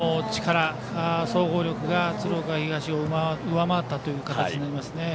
近江の力総合力が鶴岡東を上回ったという形になりますね。